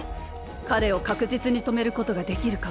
彼を確実に止めることができるかも。